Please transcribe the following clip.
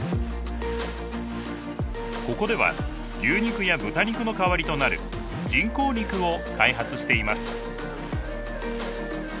ここでは牛肉や豚肉の代わりとなる人工肉を開発しています。